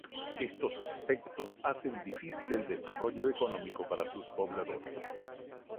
Estos aspectos hacen difícil el desarrollo económico para sus pobladores.